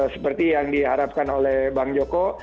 seperti yang diharapkan oleh bang joko